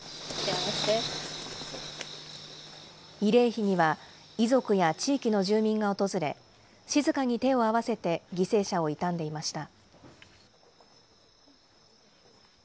慰霊碑には遺族や地域の住民が訪れ、静かに手を合わせて犠牲者を悼んでいました。